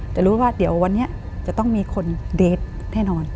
แต่รู้ว่าเดี๋ยววันนี้จะต้องมีคนเดทแน่นอน